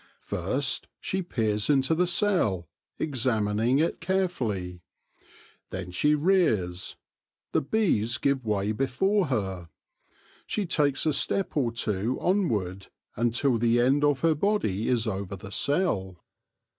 First, she peers into the cell, examining it carefully. Then she rears ; the bees give way before her ; she takes a step or two onward until the end of her body is over the cell.